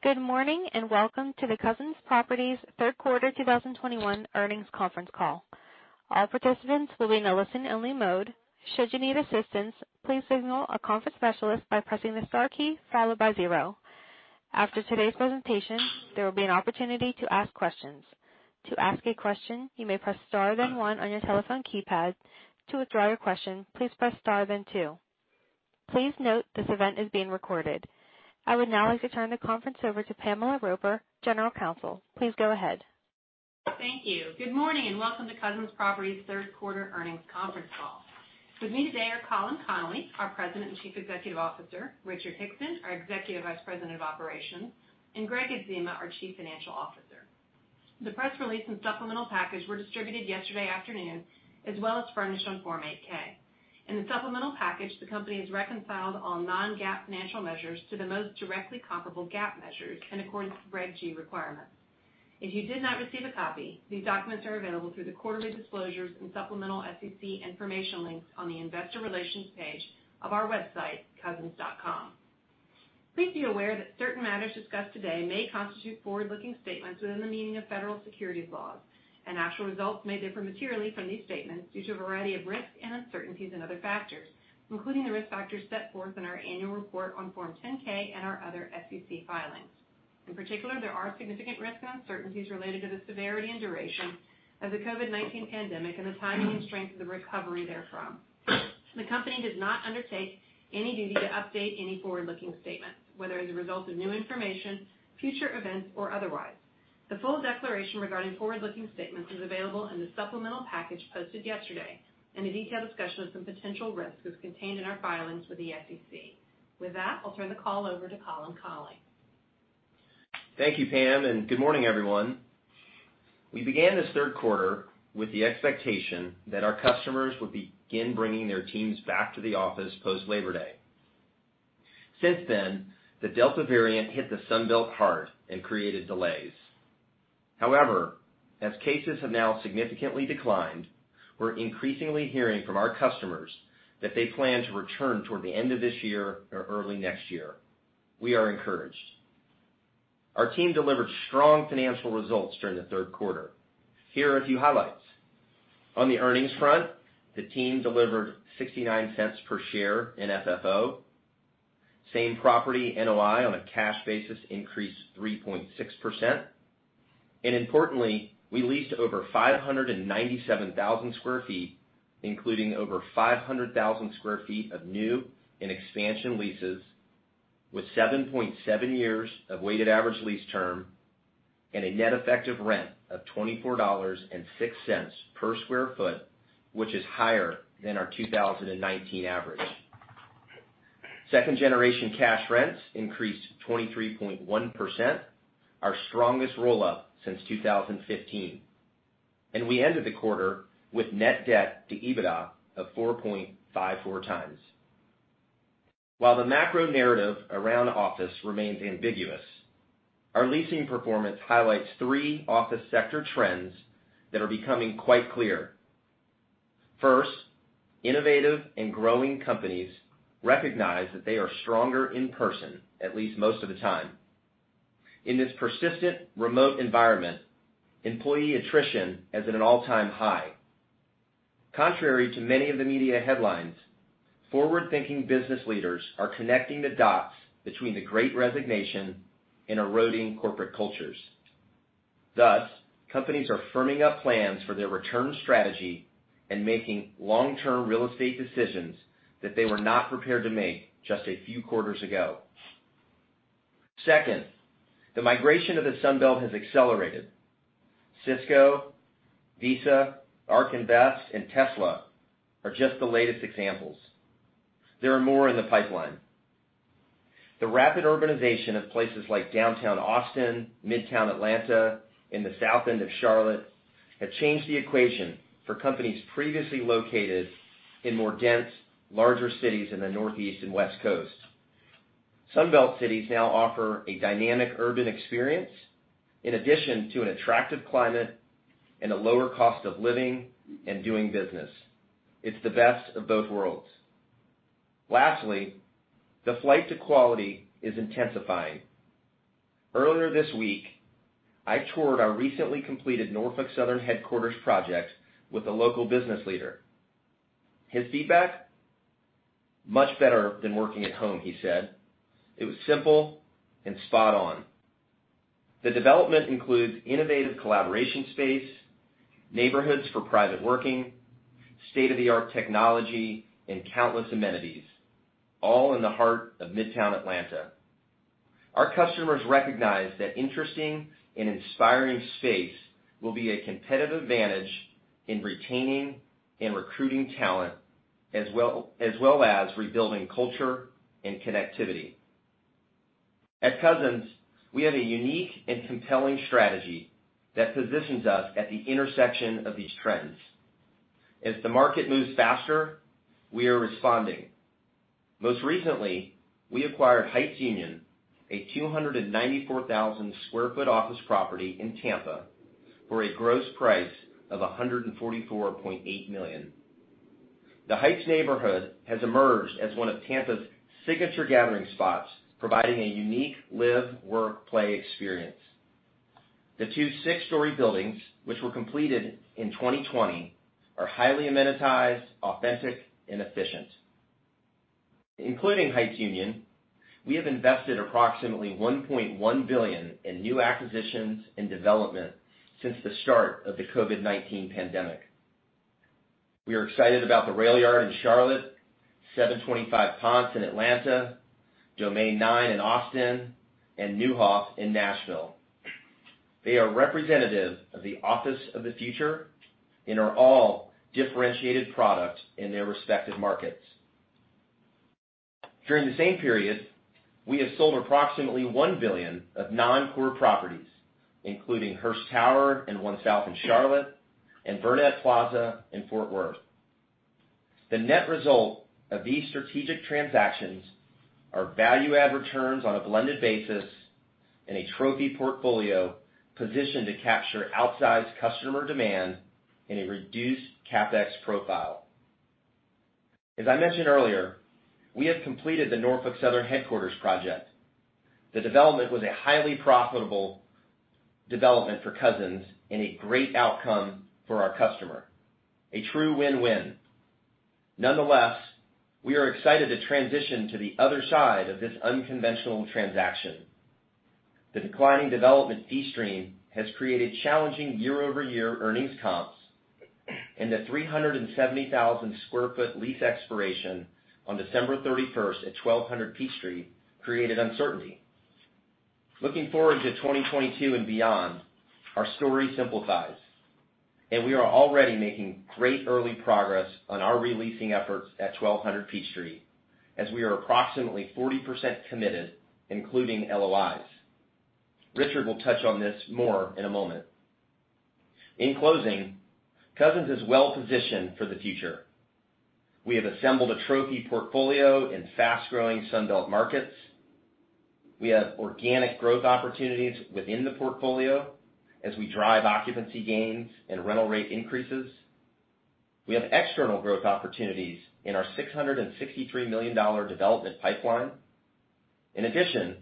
Good morning, and welcome to the Cousins Properties third quarter 2021 earnings conference call. All participants will be in a listen-only mode. Should you need assistance, please signal a conference specialist by pressing the star key followed by zero. After today's presentation, there will be an opportunity to ask questions. To ask a question, you may press star, then one on your telephone keypad. To withdraw your question, please press star then two. Please note this event is being recorded. I would now like to turn the conference over to Pamela Roper, General Counsel. Please go ahead. Thank you. Good morning, and welcome to Cousins Properties third quarter earnings conference call. With me today are Colin Connolly, our President and Chief Executive Officer, Richard Hickson, our Executive Vice President of Operations, and Gregg Adzema, our Chief Financial Officer. The press release and supplemental package were distributed yesterday afternoon as well as furnished on Form 8-K. In the supplemental package, the company has reconciled all non-GAAP financial measures to the most directly comparable GAAP measures in accordance with Reg G requirements. If you did not receive a copy, these documents are available through the quarterly disclosures and supplemental SEC information links on the investor relations page of our website, cousins.com. Please be aware that certain matters discussed today may constitute forward-looking statements within the meaning of Federal securities laws. Actual results may differ materially from these statements due to a variety of risks and uncertainties and other factors, including the risk factors set forth in our annual report on Form 10-K and our other SEC filings. In particular, there are significant risks and uncertainties related to the severity and duration of the COVID-19 pandemic and the timing and strength of the recovery therefrom. The company does not undertake any duty to update any forward-looking statement, whether as a result of new information, future events, or otherwise. The full declaration regarding forward-looking statements is available in the supplemental package posted yesterday, and a detailed discussion of some potential risks is contained in our filings with the SEC. With that, I'll turn the call over to Colin Connolly. Thank you, Pam, and good morning, everyone. We began this third quarter with the expectation that our customers would begin bringing their teams back to the office post-Labor Day. Since then, the Delta variant hit the Sun Belt hard and created delays. However, as cases have now significantly declined, we're increasingly hearing from our customers that they plan to return toward the end of this year or early next year. We are encouraged. Our team delivered strong financial results during the third quarter. Here are a few highlights. On the earnings front, the team delivered $0.69 per share in FFO. Same property NOI on a cash basis increased 3.6%. Importantly, we leased over 597,000 sq ft, including over 500,000 sq ft of new and expansion leases with 7.7 years of weighted average lease term and a net effective rent of $24.06 per sq ft, which is higher than our 2019 average. Second-generation cash rents increased 23.1%, our strongest rollout since 2015. We ended the quarter with net debt to EBITDA of 4.54x. While the macro narrative around office remains ambiguous, our leasing performance highlights three office sector trends that are becoming quite clear. First, innovative and growing companies recognize that they are stronger in person, at least most of the time. In this persistent remote environment, employee attrition is at an all-time high. Contrary to many of the media headlines, forward-thinking business leaders are connecting the dots between the Great Resignation and eroding corporate cultures. Thus, companies are firming up plans for their return strategy and making long-term real estate decisions that they were not prepared to make just a few quarters ago. Second, the migration of the Sun Belt has accelerated. Cisco, Visa, ARK Invest, and Tesla are just the latest examples. There are more in the pipeline. The rapid urbanization of places like downtown Austin, Midtown Atlanta, and the South End of Charlotte have changed the equation for companies previously located in more dense, larger cities in the Northeast and West Coast. Sun Belt cities now offer a dynamic urban experience in addition to an attractive climate and a lower cost of living and doing business. It's the best of both worlds. Lastly, the flight to quality is intensifying. Earlier this week, I toured our recently completed Norfolk Southern headquarters project with a local business leader. His feedback? Much better than working at home, he said. It was simple and spot on. The development includes innovative collaboration space, neighborhoods for private working, state-of-the-art technology, and countless amenities, all in the heart of Midtown Atlanta. Our customers recognize that interesting and inspiring space will be a competitive advantage in retaining and recruiting talent as well as rebuilding culture and connectivity. At Cousins, we have a unique and compelling strategy that positions us at the intersection of these trends. As the market moves faster, we are responding. Most recently, we acquired Heights Union, a 294,000 sq ft office property in Tampa for a gross price of $144.8 million. The Heights neighborhood has emerged as one of Tampa's signature gathering spots, providing a unique live-work-play experience. The two six-story buildings, which were completed in 2020, are highly amenitized, authentic, and efficient. Including Heights Union, we have invested approximately $1.1 billion in new acquisitions and development since the start of the COVID-19 pandemic. We are excited about The RailYard in Charlotte, 725 Ponce in Atlanta, Domain 9 in Austin, and Neuhoff in Nashville. They are representative of the office of the future and are all differentiated product in their respective markets. During the same period, we have sold approximately $1 billion of non-core properties, including Hearst Tower and One South in Charlotte and Burnett Plaza in Fort Worth. The net result of these strategic transactions are value-add returns on a blended basis and a trophy portfolio positioned to capture outsized customer demand in a reduced CapEx profile. As I mentioned earlier, we have completed the Norfolk Southern headquarters project. The development was a highly profitable development for Cousins and a great outcome for our customer. A true win-win. Nonetheless, we are excited to transition to the other side of this unconventional transaction. The declining development fee stream has created challenging year-over-year earnings comps, and the 370,000 sq ft lease expiration on December 31st at 1200 Peachtree created uncertainty. Looking forward to 2022 and beyond, our story simplifies, and we are already making great early progress on our re-leasing efforts at 1200 Peachtree, as we are approximately 40% committed, including LOIs. Richard will touch on this more in a moment. In closing, Cousins is well-positioned for the future. We have assembled a trophy portfolio in fast-growing Sun Belt markets. We have organic growth opportunities within the portfolio as we drive occupancy gains and rental rate increases. We have external growth opportunities in our $663 million development pipeline. In addition,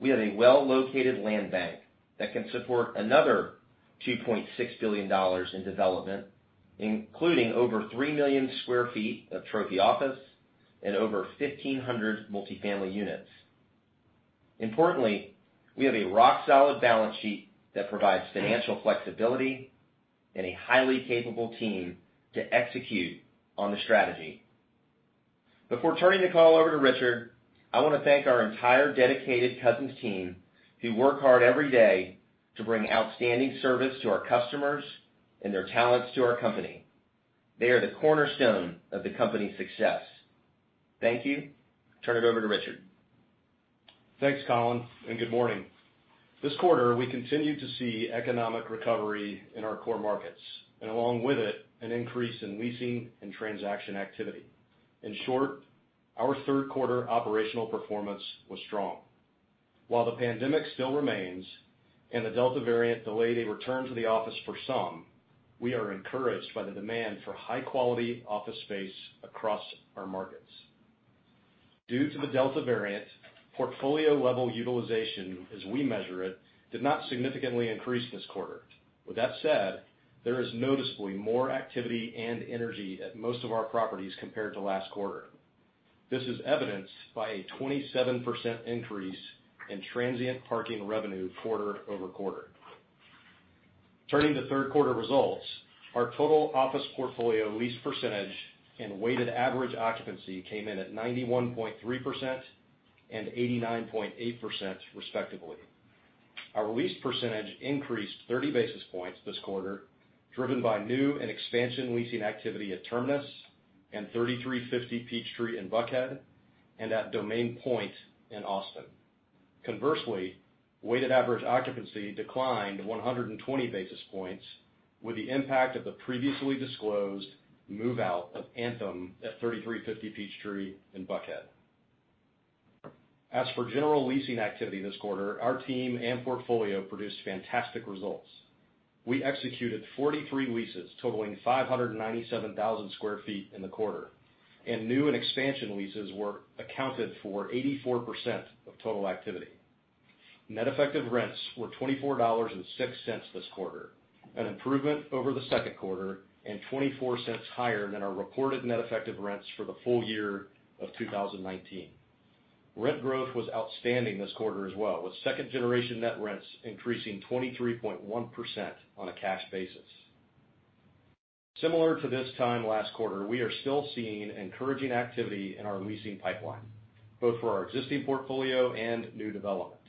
we have a well-located land bank that can support another $2.6 billion in development, including over 3 million sq ft of trophy office and over 1,500 multi-family units. Importantly, we have a rock-solid balance sheet that provides financial flexibility and a highly capable team to execute on the strategy. Before turning the call over to Richard, I wanna thank our entire dedicated Cousins team, who work hard every day to bring outstanding service to our customers and their talents to our company. They are the cornerstone of the company's success. Thank you. Turn it over to Richard. Thanks, Colin, and good morning. This quarter, we continue to see economic recovery in our core markets, and along with it, an increase in leasing and transaction activity. In short, our third quarter operational performance was strong. While the pandemic still remains and the Delta variant delayed a return to the office for some, we are encouraged by the demand for high-quality office space across our markets. Due to the Delta variant, portfolio-level utilization, as we measure it, did not significantly increase this quarter. With that said, there is noticeably more activity and energy at most of our properties compared to last quarter. This is evidenced by a 27% increase in transient parking revenue quarter-over-quarter. Turning to third quarter results, our total office portfolio lease percentage and weighted average occupancy came in at 91.3% and 89.8% respectively. Our lease percentage increased 30 basis points this quarter, driven by new and expansion leasing activity at Terminus and 3350 Peachtree in Buckhead and at Domain Point in Austin. Conversely, weighted average occupancy declined 120 basis points with the impact of the previously disclosed move-out of Anthem at 3350 Peachtree in Buckhead. As for general leasing activity this quarter, our team and portfolio produced fantastic results. We executed 43 leases totaling 597,000 sq ft in the quarter, and new and expansion leases were accounted for 84% of total activity. Net effective rents were $24.06 this quarter, an improvement over the second quarter and $0.24 higher than our reported net effective rents for the full year of 2019. Rent growth was outstanding this quarter as well, with second-generation net rents increasing 23.1% on a cash basis. Similar to this time last quarter, we are still seeing encouraging activity in our leasing pipeline, both for our existing portfolio and new development.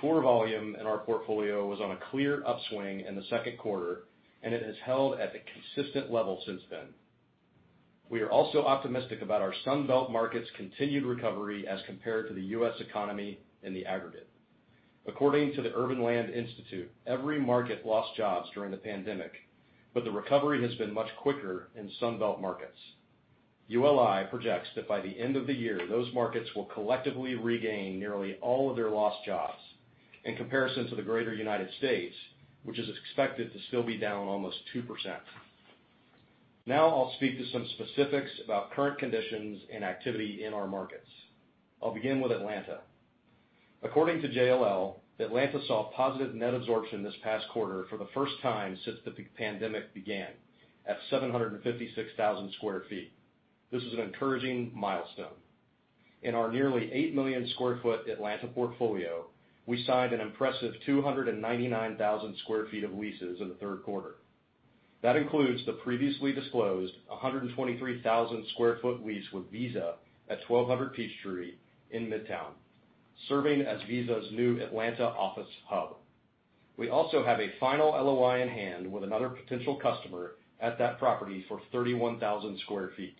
Tour volume in our portfolio was on a clear upswing in the second quarter, and it has held at a consistent level since then. We are also optimistic about our Sun Belt markets' continued recovery as compared to the U.S. economy in the aggregate. According to the Urban Land Institute, every market lost jobs during the pandemic, but the recovery has been much quicker in Sun Belt markets. ULI projects that by the end of the year, those markets will collectively regain nearly all of their lost jobs. In comparison to the greater United States, which is expected to still be down almost 2%. Now I'll speak to some specifics about current conditions and activity in our markets. I'll begin with Atlanta. According to JLL, Atlanta saw positive net absorption this past quarter for the first time since the pandemic began at 756,000 sq ft. This is an encouraging milestone. In our nearly 8 million sq ft Atlanta portfolio, we signed an impressive 299,000 sq ft of leases in the third quarter. That includes the previously disclosed 123,000 sq ft lease with Visa at 1200 Peachtree in Midtown, serving as Visa's new Atlanta office hub. We also have a final LOI in hand with another potential customer at that property for 31,000 sq ft.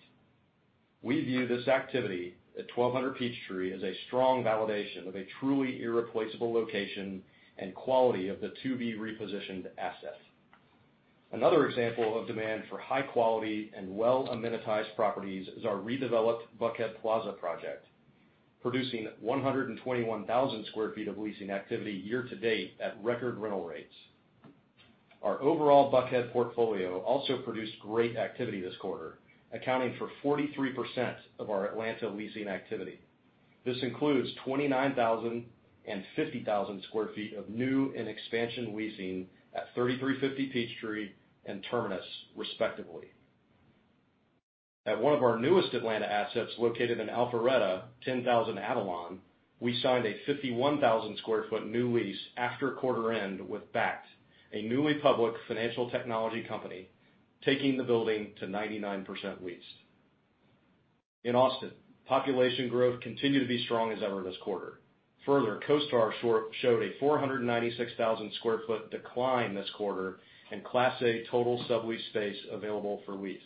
We view this activity at 1200 Peachtree as a strong validation of a truly irreplaceable location and quality of the to-be repositioned asset. Another example of demand for high quality and well amenitized properties is our redeveloped Buckhead Plaza project, producing 121,000 sq ft of leasing activity year to date at record rental rates. Our overall Buckhead portfolio also produced great activity this quarter, accounting for 43% of our Atlanta leasing activity. This includes 29,000 and 50,000 sq ft of new and expansion leasing at 3350 Peachtree and Terminus respectively. At one of our newest Atlanta assets located in Alpharetta, 10,000 Avalon, we signed a 51,000 sq ft new lease after quarter end with Bakkt, a newly public financial technology company, taking the building to 99% leased. In Austin, population growth continued to be strong as ever this quarter. Further, CoStar showed a 496,000 sq ft decline this quarter in Class A total sublease space available for lease.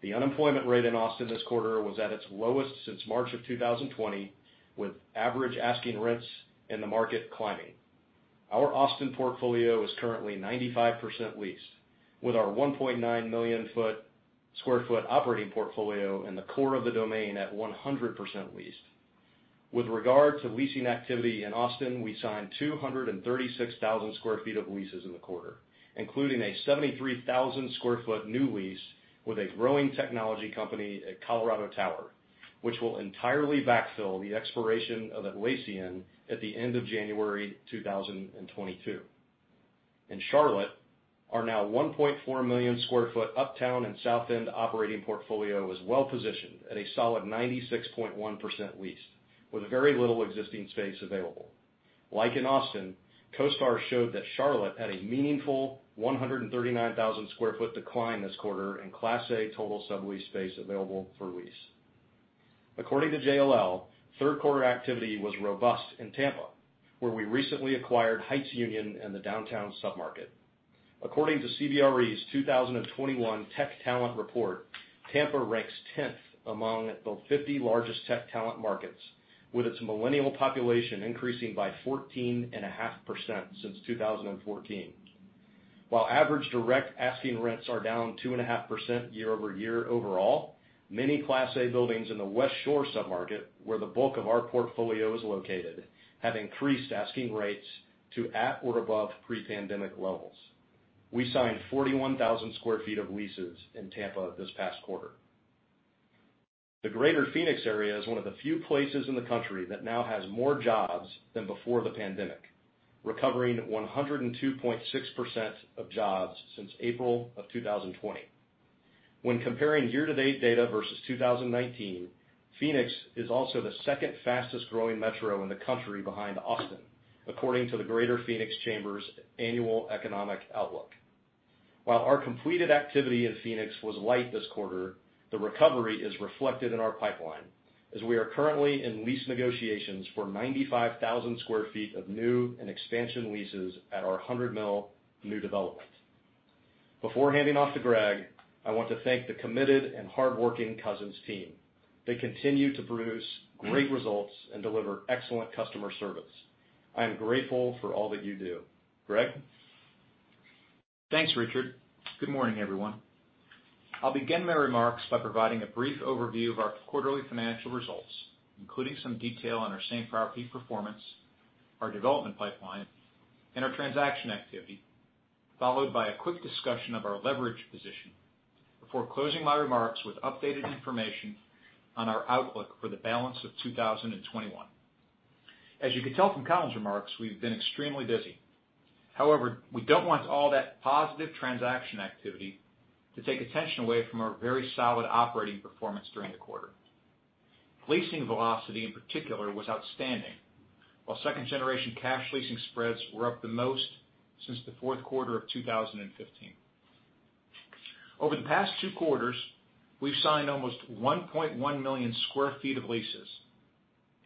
The unemployment rate in Austin this quarter was at its lowest since March 2020, with average asking rents in the market climbing. Our Austin portfolio is currently 95% leased, with our 1.9 million sq ft operating portfolio in the core of the Domain at 100% leased. With regard to leasing activity in Austin, we signed 236,000 sq ft of leases in the quarter, including a 73,000 sq ft new lease with a growing technology company at Colorado Tower, which will entirely backfill the expiration of Atlassian at the end of January 2022. In Charlotte, our now 1.4 million sq ft Uptown and South End operating portfolio is well positioned at a solid 96.1% leased with very little existing space available. Like in Austin, CoStar showed that Charlotte had a meaningful 139,000 sq ft decline this quarter in class A total sublease space available for lease. According to JLL, third quarter activity was robust in Tampa, where we recently acquired Heights Union in the downtown submarket. According to CBRE's 2021 Tech Talent report, Tampa ranks 10th among the 50 largest tech talent markets, with its millennial population increasing by 14.5% since 2014. While average direct asking rents are down 2.5% year-over-year overall, many Class A buildings in the Westshore submarket, where the bulk of our portfolio is located, have increased asking rates to at or above pre-pandemic levels. We signed 41,000 sq ft of leases in Tampa this past quarter. The Greater Phoenix area is one of the few places in the country that now has more jobs than before the pandemic, recovering 102.6% of jobs since April of 2020. When comparing year-to-date data versus 2019, Phoenix is also the second fastest growing metro in the country behind Austin, according to the Greater Phoenix Chamber's annual economic outlook. While our completed activity in Phoenix was light this quarter, the recovery is reflected in our pipeline, as we are currently in lease negotiations for 95,000 sq ft of new and expansion leases at our 100 Mill new development. Before handing off to Greg, I want to thank the committed and hardworking Cousins team. They continue to produce great results and deliver excellent customer service. I am grateful for all that you do. Greg? Thanks, Richard. Good morning, everyone. I'll begin my remarks by providing a brief overview of our quarterly financial results, including some detail on our same property performance, our development pipeline, and our transaction activity, followed by a quick discussion of our leverage position before closing my remarks with updated information on our outlook for the balance of 2021. As you can tell from Colin's remarks, we've been extremely busy. However, we don't want all that positive transaction activity to take attention away from our very solid operating performance during the quarter. Leasing velocity in particular was outstanding while second-generation cash leasing spreads were up the most since the fourth quarter of 2015. Over the past two quarters, we've signed almost 1.1 million sq ft of leases,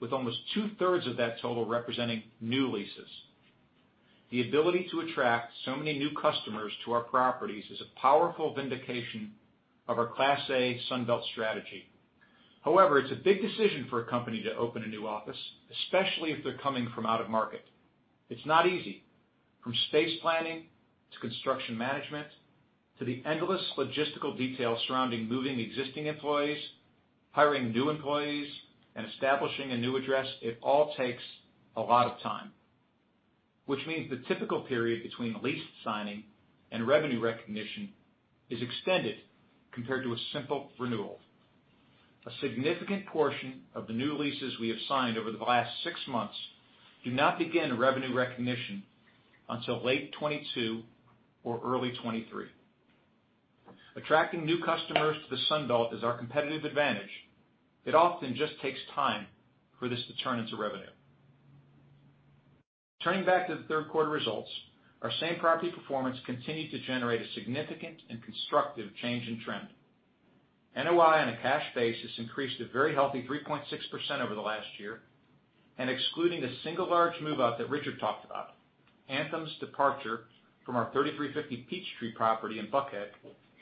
with almost two-thirds of that total representing new leases. The ability to attract so many new customers to our properties is a powerful vindication of our class A Sun Belt strategy. However, it's a big decision for a company to open a new office, especially if they're coming from out of market. It's not easy. From space planning to construction management to the endless logistical details surrounding moving existing employees, hiring new employees, and establishing a new address, it all takes a lot of time. Which means the typical period between lease signing and revenue recognition is extended compared to a simple renewal. A significant portion of the new leases we have signed over the last six months do not begin revenue recognition until late 2022 or early 2023. Attracting new customers to the Sun Belt is our competitive advantage. It often just takes time for this to turn into revenue. Turning back to the third quarter results, our same property performance continued to generate a significant and constructive change in trend. NOI on a cash basis increased a very healthy 3.6% over the last year. Excluding the single large move-out that Richard talked about, Anthem's departure from our 3350 Peachtree property in Buckhead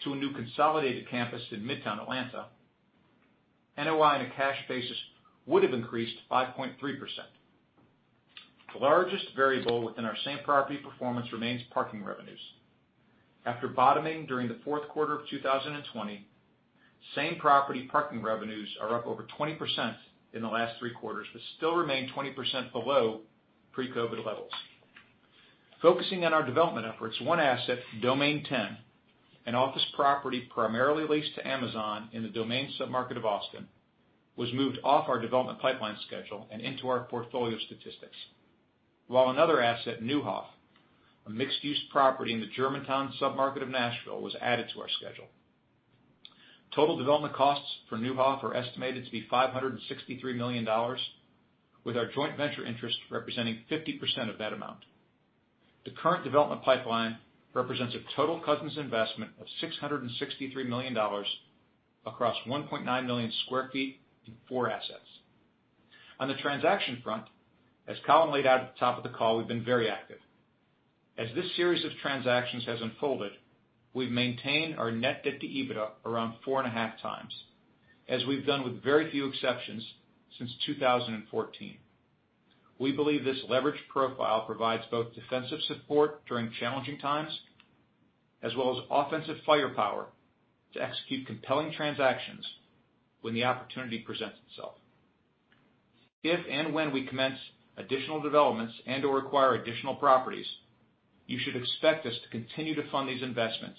to a new consolidated campus in Midtown Atlanta, NOI on a cash basis would have increased 5.3%. The largest variable within our same property performance remains parking revenues. After bottoming during the fourth quarter of 2020, same property parking revenues are up over 20% in the last three quarters, but still remain 20% below pre-COVID levels. Focusing on our development efforts, one asset, Domain 10, an office property primarily leased to Amazon in the Domain submarket of Austin, was moved off our development pipeline schedule and into our portfolio statistics. While another asset, Neuhoff, a mixed-use property in the Germantown submarket of Nashville, was added to our schedule. Total development costs for Neuhoff are estimated to be $563 million, with our joint venture interest representing 50% of that amount. The current development pipeline represents a total Cousins investment of $663 million across 1.9 million sq ft in four assets. On the transaction front, as Colin laid out at the top of the call, we've been very active. As this series of transactions has unfolded, we've maintained our net debt to EBITDA around 4.5x, as we've done with very few exceptions since 2014. We believe this leverage profile provides both defensive support during challenging times as well as offensive firepower to execute compelling transactions when the opportunity presents itself. If and when we commence additional developments and/or acquire additional properties, you should expect us to continue to fund these investments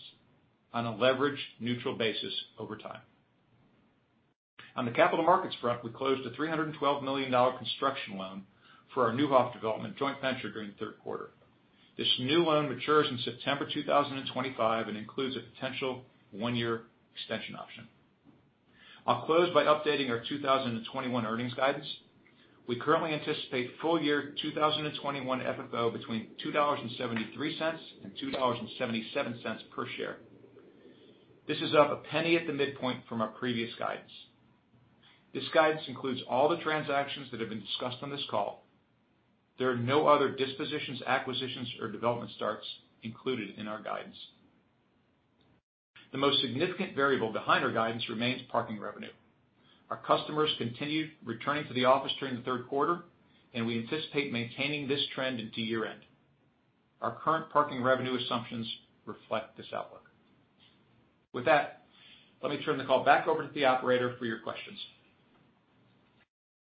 on a leverage neutral basis over time. On the capital markets front, we closed a $312 million construction loan for our Neuhoff development joint venture during the third quarter. This new loan matures in September 2025 and includes a potential one-year extension option. I'll close by updating our 2021 earnings guidance. We currently anticipate full year 2021 FFO between $2.73 and $2.77 per share. This is up $0.01 at the midpoint from our previous guidance. This guidance includes all the transactions that have been discussed on this call. There are no other dispositions, acquisitions, or development starts included in our guidance. The most significant variable behind our guidance remains parking revenue. Our customers continued returning to the office during the third quarter, and we anticipate maintaining this trend into year-end. Our current parking revenue assumptions reflect this outlook. With that, let me turn the call back over to the operator for your questions.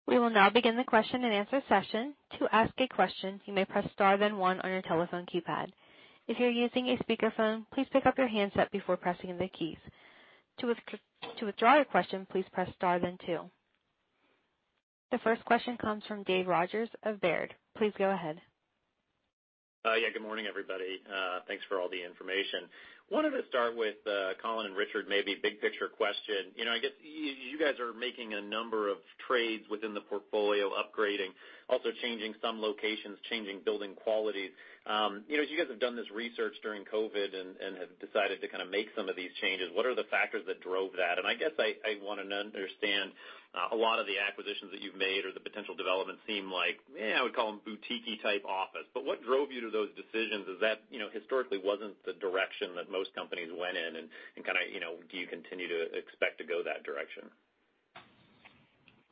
We will now begin the question-and-answer session. To ask a question, you may press star, then one on your telephone keypad. If you're using a speakerphone, please pick up your handset before pressing the keys. To withdraw your question, please press star then two. The first question comes from Dave Rodgers of Baird. Please go ahead. Yeah, good morning, everybody. Thanks for all the information. I wanted to start with Colin and Richard, maybe big picture question. You know, I guess you guys are making a number of trades within the portfolio, upgrading, also changing some locations, changing building quality. You know, as you guys have done this research during COVID and have decided to kind of make some of these changes, what are the factors that drove that? I guess I wanna understand, a lot of the acquisitions that you've made or the potential developments seem like, I would call them boutiquey type office. But what drove you to those decisions is that, you know, historically wasn't the direction that most companies went in and kind of, you know, do you continue to expect to go that direction?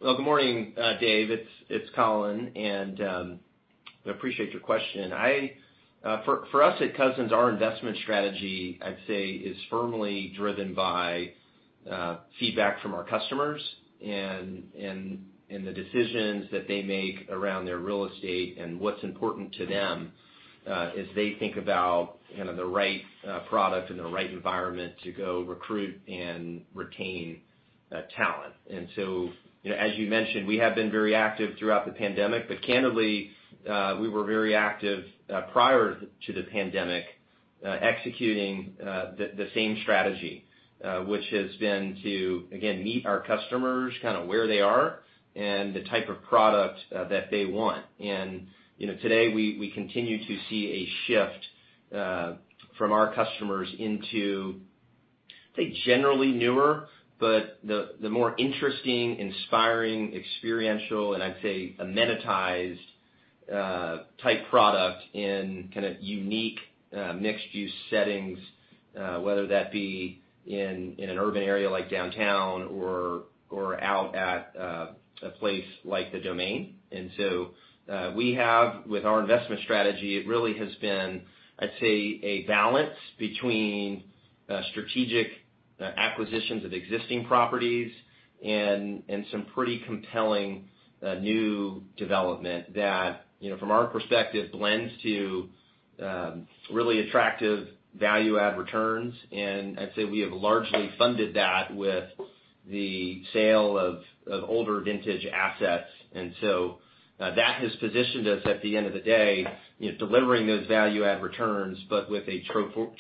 Well, good morning, Dave. It's Colin, and I appreciate your question. For us at Cousins, our investment strategy, I'd say, is firmly driven by feedback from our customers and the decisions that they make around their real estate and what's important to them as they think about kind of the right product and the right environment to go recruit and retain talent. You know, as you mentioned, we have been very active throughout the pandemic. Candidly, we were very active prior to the pandemic, executing the same strategy, which has been to again meet our customers kind of where they are and the type of product that they want. You know, today we continue to see a shift from our customers into, I'd say, generally newer, but the more interesting, inspiring, experiential, and I'd say amenitized type product in kind of unique mixed-use settings. Whether that be in an urban area like downtown or out at a place like The Domain. With our investment strategy, it really has been, I'd say, a balance between strategic acquisitions of existing properties and some pretty compelling new development that, you know, from our perspective, blends to really attractive value add returns. I'd say we have largely funded that with the sale of older vintage assets. That has positioned us at the end of the day, you know, delivering those value add returns, but with a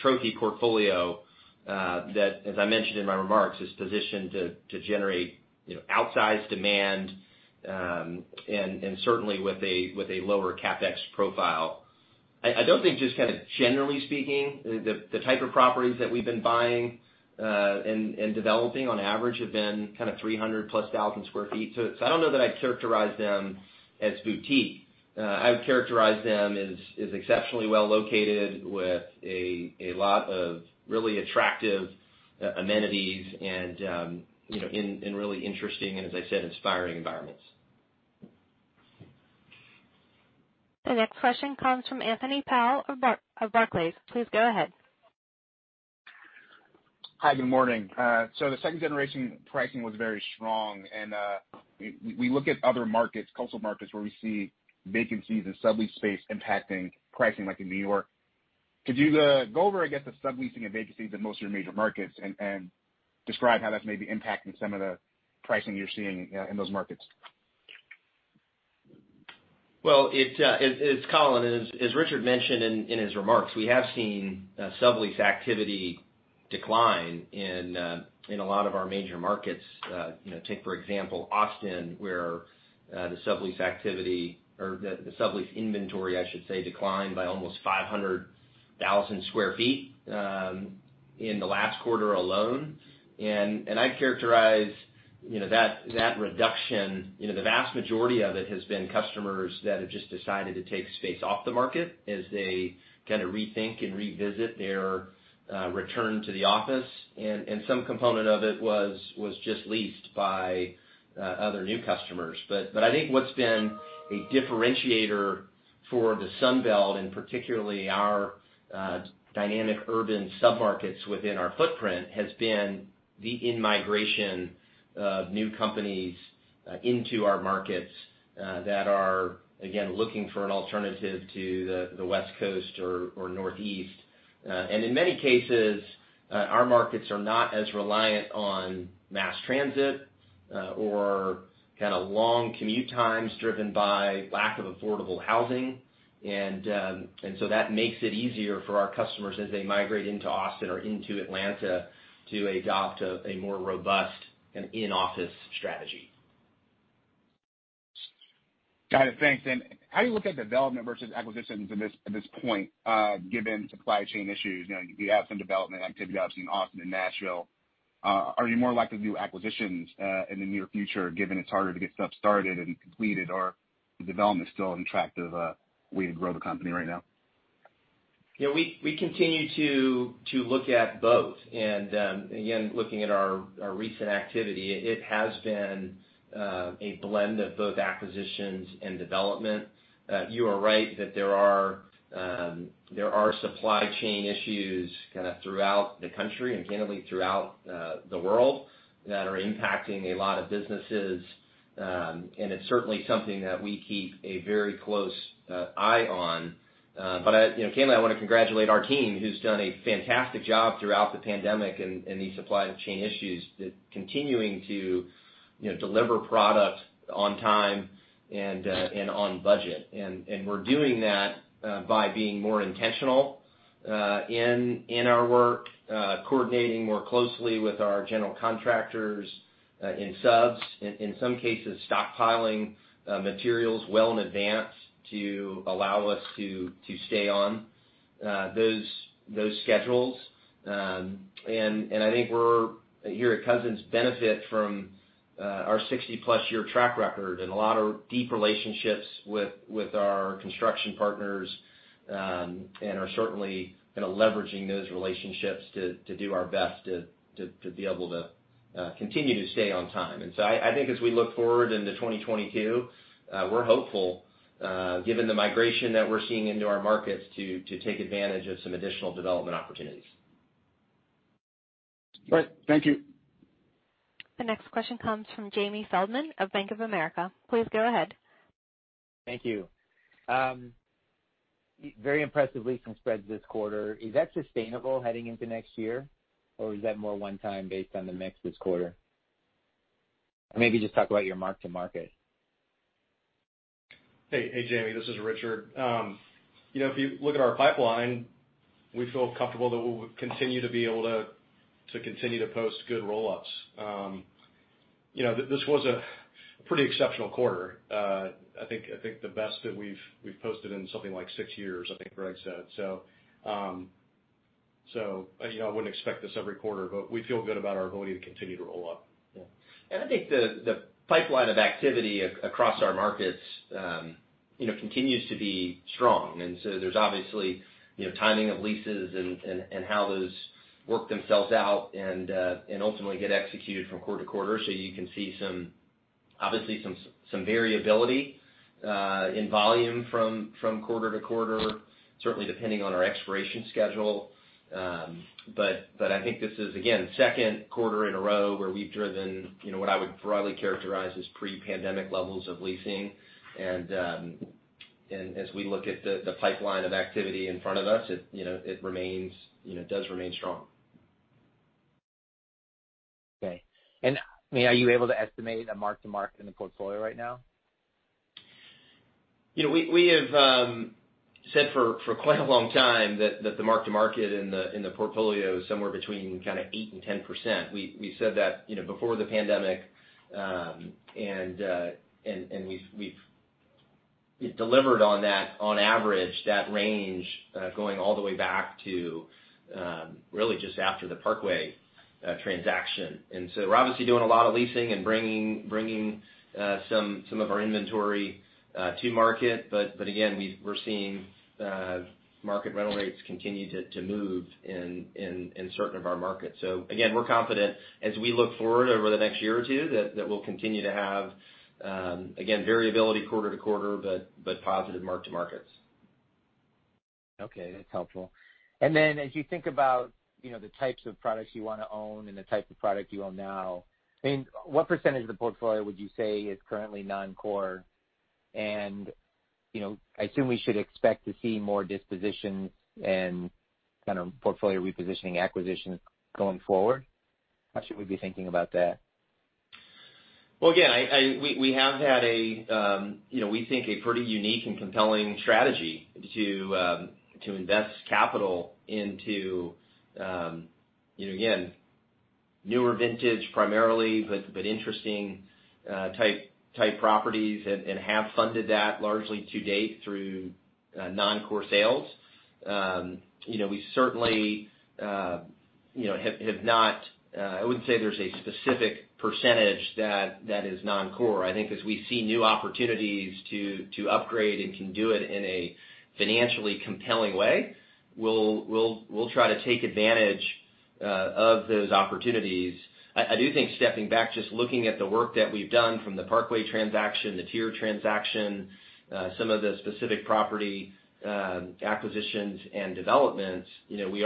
trophy portfolio that, as I mentioned in my remarks, is positioned to generate, you know, outsized demand and certainly with a lower CapEx profile. I don't think just kind of generally speaking, the type of properties that we've been buying and developing on average have been kind of 300,000+ sq ft. I don't know that I'd characterize them as boutique. I would characterize them as exceptionally well located with a lot of really attractive amenities and you know, in really interesting, and as I said, inspiring environments. The next question comes from Anthony Powell of Barclays. Please go ahead. Hi, good morning. So the second generation pricing was very strong, and we look at other markets, coastal markets, where we see vacancies and sublease space impacting pricing like in New York. Could you go over, I guess, the subleasing and vacancies in most of your major markets and describe how that's maybe impacting some of the pricing you're seeing in those markets? Well, it's Colin. As Richard mentioned in his remarks, we have seen sublease activity decline in a lot of our major markets. You know, take for example, Austin, where the sublease activity or the sublease inventory, I should say, declined by almost 500,000 sq ft in the last quarter alone. I'd characterize, you know, that reduction, you know, the vast majority of it has been customers that have just decided to take space off the market as they kind of rethink and revisit their return to the office. Some component of it was just leased by other new customers. I think what's been a differentiator for the Sun Belt, and particularly our dynamic urban submarkets within our footprint, has been the in-migration of new companies into our markets that are, again, looking for an alternative to the West Coast or Northeast. In many cases, our markets are not as reliant on mass transit or kind of long commute times driven by lack of affordable housing. That makes it easier for our customers as they migrate into Austin or into Atlanta to adopt a more robust and in-office strategy. Got it. Thanks. How do you look at development versus acquisitions at this point, given supply chain issues? You know, you have some development activity obviously in Austin and Nashville. Are you more likely to do acquisitions in the near future, given it's harder to get stuff started and completed, or is development still an attractive way to grow the company right now? Yeah. We continue to look at both. Again, looking at our recent activity, it has been a blend of both acquisitions and development. You are right that there are supply chain issues kind of throughout the country and candidly throughout the world that are impacting a lot of businesses. It's certainly something that we keep a very close eye on. But you know, candidly, I wanna congratulate our team who's done a fantastic job throughout the pandemic and these supply chain issues, continuing to, you know, deliver product on time and on budget. We're doing that by being more intentional in our work, coordinating more closely with our general contractors and subs. In some cases, stockpiling materials well in advance to allow us to stay on those schedules. I think we're here at Cousins benefit from our 60+ year track record and a lot of deep relationships with our construction partners, and are certainly kinda leveraging those relationships to do our best to be able to continue to stay on time. I think as we look forward into 2022, we're hopeful given the migration that we're seeing into our markets to take advantage of some additional development opportunities. All right. Thank you. The next question comes from Jamie Feldman of Bank of America. Please go ahead. Thank you. Very impressive leasing spreads this quarter. Is that sustainable heading into next year, or is that more one-time based on the mix this quarter? Maybe just talk about your mark-to-market. Hey, Jamie, this is Richard. You know, if you look at our pipeline, we feel comfortable that we'll continue to be able to continue to post good roll-ups. You know, this was a pretty exceptional quarter. I think the best that we've posted in something like six years, I think Gregg said. You know, I wouldn't expect this every quarter, but we feel good about our ability to continue to roll up. Yeah. I think the pipeline of activity across our markets, you know, continues to be strong. There's obviously, you know, timing of leases and how those work themselves out and ultimately get executed from quarter to quarter. You can see some obviously some variability in volume from quarter to quarter, certainly depending on our expiration schedule. But I think this is, again, second quarter in a row where we've driven, you know, what I would broadly characterize as pre-pandemic levels of leasing. As we look at the pipeline of activity in front of us, it, you know, remains strong. Okay. I mean, are you able to estimate a mark-to-market in the portfolio right now? You know, we have said for quite a long time that the mark-to-market in the portfolio is somewhere between kind of 8%-10%. We said that, you know, before the pandemic, and we've delivered on that, on average, that range, going all the way back to, really just after the Parkway transaction. We're obviously doing a lot of leasing and bringing some of our inventory to market. We're seeing market rental rates continue to move in certain of our markets. We're confident as we look forward over the next year or two that we'll continue to have, again, variability quarter to quarter, but positive mark-to-markets. Okay, that's helpful. As you think about, you know, the types of products you wanna own and the type of product you own now, I mean, what percentage of the portfolio would you say is currently non-core? You know, I assume we should expect to see more dispositions and kind of portfolio repositioning acquisitions going forward. How should we be thinking about that? Well, again, we have had a, you know, we think a pretty unique and compelling strategy to invest capital into, you know, again, newer vintage primarily, but interesting type properties and have funded that largely to date through non-core sales. You know, we certainly, you know, have not. I wouldn't say there's a specific percentage that is non-core. I think as we see new opportunities to upgrade and can do it in a financially compelling way, we'll try to take advantage of those opportunities. I do think stepping back, just looking at the work that we've done from the Parkway transaction, the TIER transaction, some of the specific property acquisitions and developments, you know, we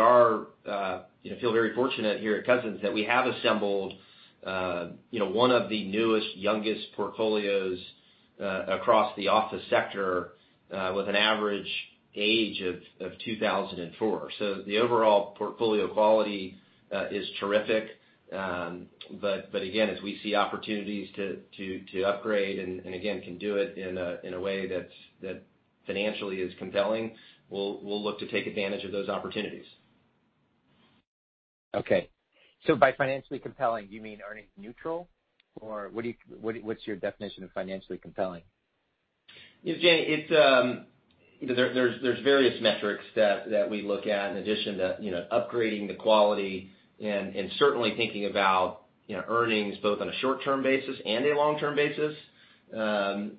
feel very fortunate here at Cousins that we have assembled, you know, one of the newest, youngest portfolios across the office sector, with an average age of 2004. The overall portfolio quality is terrific. Again, as we see opportunities to upgrade and again can do it in a way that's financially compelling, we'll look to take advantage of those opportunities. Okay. By financially compelling, you mean earnings neutral? Or what's your definition of financially compelling? Yeah, Jamie, it's you know, there's various metrics that we look at in addition to you know, upgrading the quality and certainly thinking about you know, earnings both on a short-term basis and a long-term basis.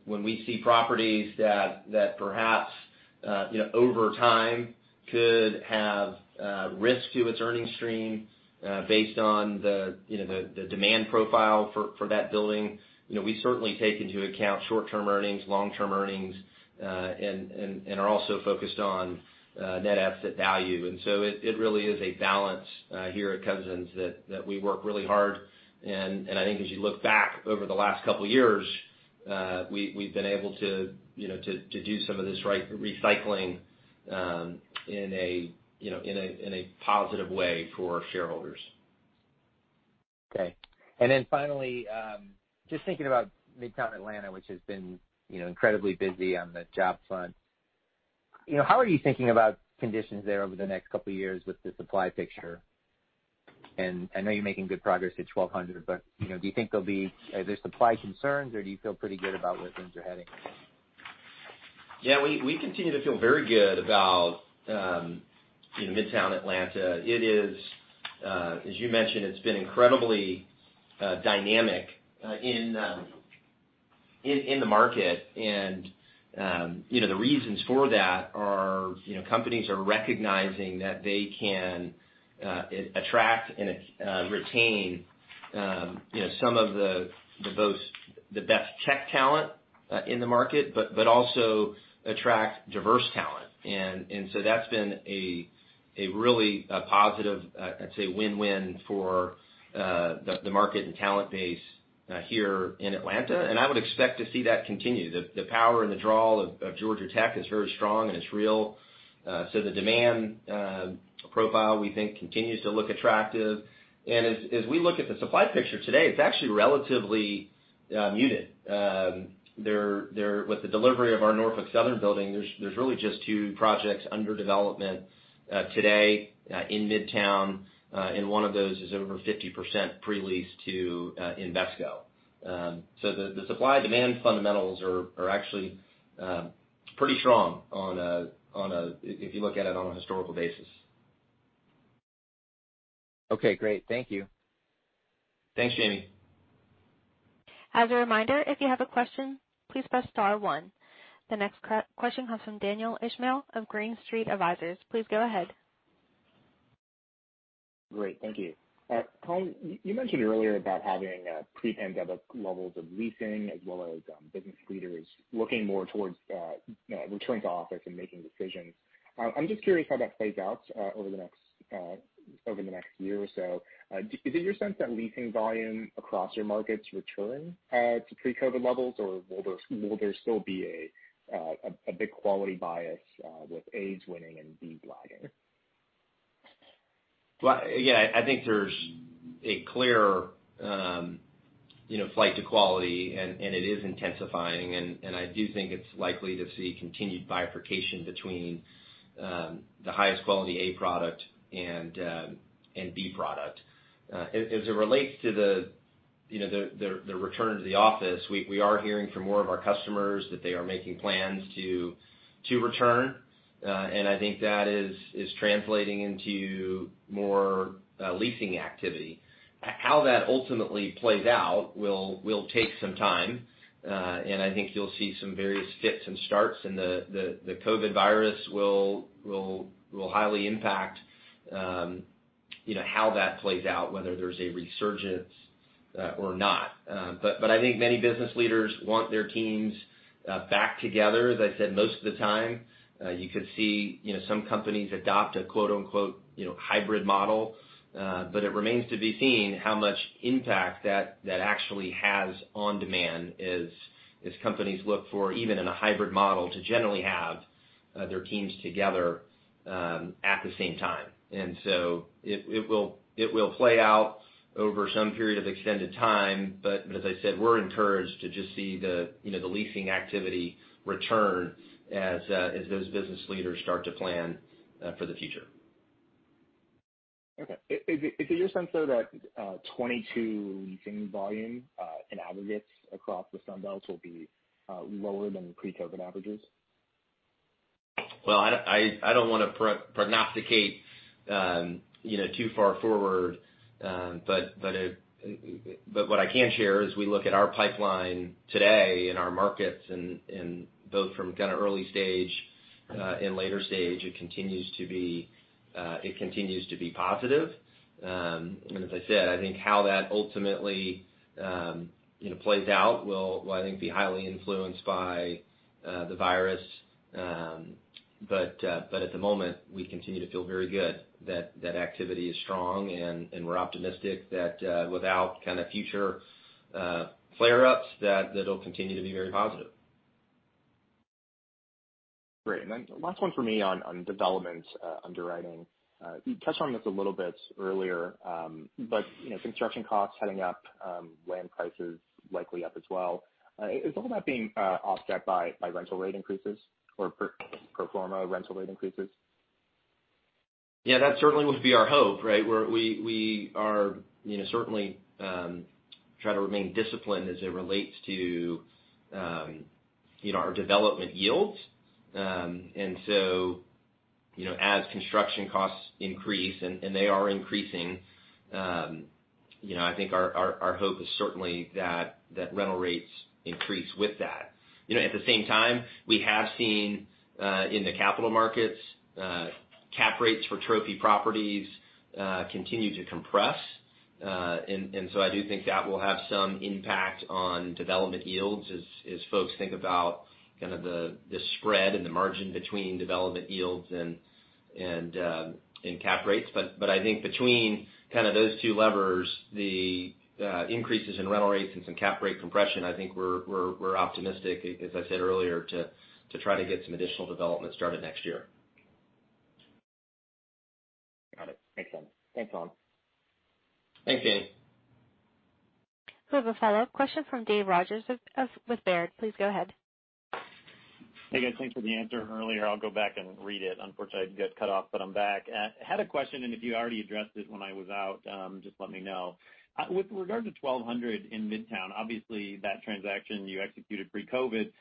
When we see properties that perhaps you know, over time could have risk to its earnings stream based on the you know, the demand profile for that building you know, we certainly take into account short-term earnings, long-term earnings, and are also focused on net asset value. It really is a balance here at Cousins that we work really hard. I think as you look back over the last couple years, we’ve been able to, you know, to do some of this recycling in a positive way for shareholders. Okay. Finally, just thinking about Midtown Atlanta, which has been, you know, incredibly busy on the job front. You know, how are you thinking about conditions there over the next couple years with the supply picture? I know you're making good progress at 1200, but, you know, are there supply concerns, or do you feel pretty good about where things are heading? We continue to feel very good about Midtown Atlanta. It is, as you mentioned, incredibly dynamic in the market. Companies are recognizing that they can attract and retain some of the best tech talent in the market, but also attract diverse talent. That's been a really positive, I'd say, win-win for the market and talent base here in Atlanta. I would expect to see that continue. The power and the draw of Georgia Tech is very strong, and it's real. The demand profile we think continues to look attractive. As we look at the supply picture today, it's actually relatively muted. With the delivery of our Norfolk Southern building, there's really just two projects under development today in Midtown, and one of those is over 50% pre-leased to Invesco. So the supply-demand fundamentals are actually pretty strong if you look at it on a historical basis. Okay, great. Thank you. Thanks, Jamie. As a reminder, if you have a question, please press star one. The next question comes from Daniel Ismail of Green Street Advisors. Please go ahead. Great, thank you. Colin, you mentioned earlier about having pre-pandemic levels of leasing as well as business leaders looking more towards you know, returning to office and making decisions. I'm just curious how that plays out over the next year or so. Is it your sense that leasing volume across your markets return to pre-COVID levels, or will there still be a big quality bias with As winning and B lagging? Well, yeah, I think there's a clear, you know, flight to quality, and it is intensifying. I do think it's likely to see continued bifurcation between the highest quality A product and B product. As it relates to the, you know, the return to the office, we are hearing from more of our customers that they are making plans to return. I think that is translating into more leasing activity. How that ultimately plays out will take some time. I think you'll see some various fits and starts, and the COVID virus will highly impact, you know, how that plays out, whether there's a resurgence or not. I think many business leaders want their teams back together. As I said, most of the time, you could see, you know, some companies adopt a quote-unquote, you know, hybrid model. It remains to be seen how much impact that actually has on demand as companies look for, even in a hybrid model, to generally have their teams together at the same time. It will play out over some period of extended time. As I said, we're encouraged to just see the, you know, the leasing activity return as those business leaders start to plan for the future. Okay. Is it your sense, though, that 2022 leasing volume in aggregate across the Sun Belt will be lower than pre-COVID averages? Well, I don't wanna prognosticate, you know, too far forward. What I can share is we look at our pipeline today in our markets and both from kind of early stage and later stage, it continues to be positive. As I said, I think how that ultimately, you know, plays out will, I think, be highly influenced by the virus. At the moment, we continue to feel very good that activity is strong, and we're optimistic that, without kind of future flare-ups, that it'll continue to be very positive. Great. Then last one from me on development, underwriting. You touched on this a little bit earlier. You know, construction costs heading up, land prices likely up as well. Is all that being offset by rental rate increases or pro forma rental rate increases? Yeah, that certainly would be our hope, right? We are, you know, certainly try to remain disciplined as it relates to, you know, our development yields. You know, as construction costs increase, and they are increasing, you know, I think our hope is certainly that rental rates increase with that. You know, at the same time, we have seen in the capital markets cap rates for trophy properties continue to compress. I do think that will have some impact on development yields as folks think about kind of the spread and the margin between development yields and cap rates. I think between kind of those two levers, the increases in rental rates and some cap rate compression, I think we're optimistic, as I said earlier, to try to get some additional development started next year. Got it. Makes sense. Thanks, Colin. Thanks, Daniel. We have a follow-up question from Dave Rodgers with Baird. Please go ahead. Hey, guys. Thanks for the answer earlier. I'll go back and read it. Unfortunately, I got cut off, but I'm back. Had a question, and if you already addressed it when I was out, just let me know. With regard to 1200 Peachtree in Midtown, obviously that transaction you executed pre-COVID,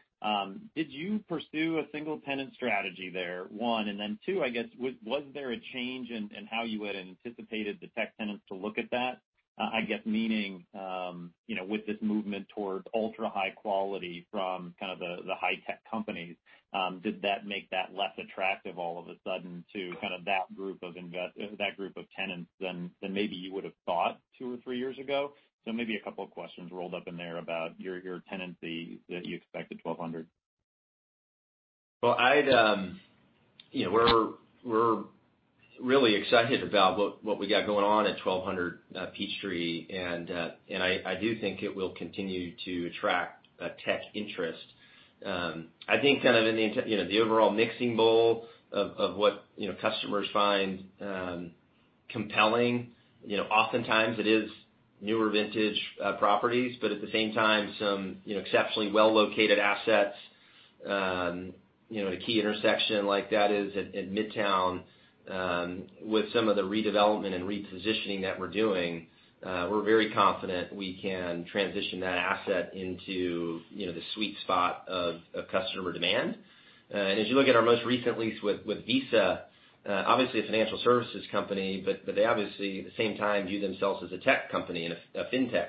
did you pursue a single tenant strategy there, one? And then two, I guess, was there a change in how you had anticipated the tech tenants to look at that? I guess meaning, you know, with this movement towards ultra-high quality from kind of the high-tech companies, did that make that less attractive all of a sudden to kind of that group of tenants than maybe you would've thought two or three years ago? Maybe a couple of questions rolled up in there about your tenancy that you expect at 1200 Peachtree. Well, I'd you know, we're really excited about what we got going on at 1200 Peachtree, and I do think it will continue to attract tech interest. I think kind of in the you know, the overall mixing bowl of what you know, customers find compelling. You know, oftentimes it is newer vintage properties, but at the same time some you know, exceptionally well-located assets you know, the key intersection like that is at Midtown, with some of the redevelopment and repositioning that we're doing, we're very confident we can transition that asset into you know, the sweet spot of customer demand. As you look at our most recent lease with Visa, obviously a financial services company, but they obviously, at the same time, view themselves as a tech company and a fintech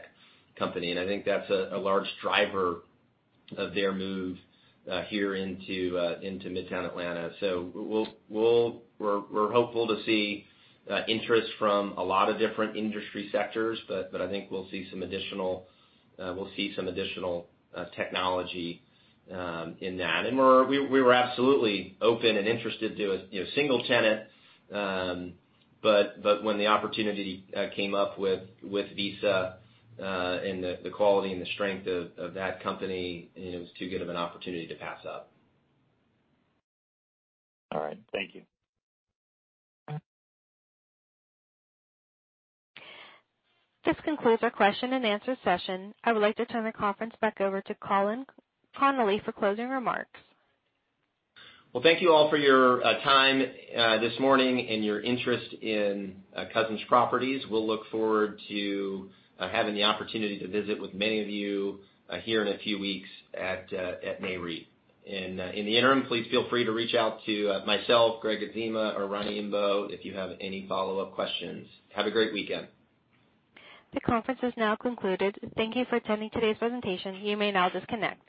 company. I think that's a large driver of their move here into Midtown Atlanta. We're hopeful to see interest from a lot of different industry sectors, but I think we'll see some additional technology in that. We were absolutely open and interested to a single tenant, you know. When the opportunity came up with Visa and the quality and the strength of that company, it was too good of an opportunity to pass up. All right. Thank you. This concludes our question-and-answer session. I would like to turn the conference back over to Colin Connolly for closing remarks. Well, thank you all for your time this morning and your interest in Cousins Properties. We'll look forward to having the opportunity to visit with many of you here in a few weeks at Nareit. In the interim, please feel free to reach out to myself, Gregg Adzema, or Roni Imbeaux if you have any follow-up questions. Have a great weekend. The conference has now concluded. Thank you for attending today's presentation. You may now disconnect.